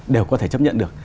đều có thể chấp nhận được